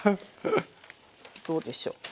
どうでしょう。